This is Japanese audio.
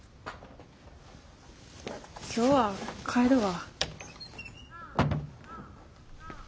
今日は帰るわ。